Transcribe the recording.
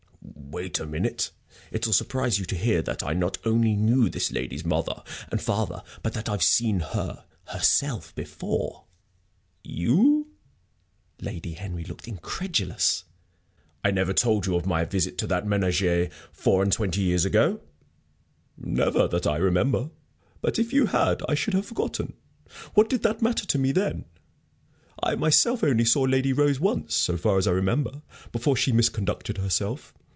"Wait a minute. It'll surprise you to hear that I not only knew this lady's mother and father, but that I've seen her, herself, before." "You?" Lady Henry looked incredulous. "I never told you of my visit to that ménage, four and twenty years ago?" "Never, that I remember. But if you had I should have forgotten. What did they matter to me then? I myself only saw Lady Rose once, so far as I remember, before she misconducted herself.